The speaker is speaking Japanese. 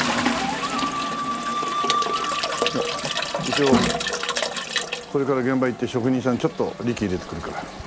一応これから現場行って職人さんちょっとリキ入れてくるから。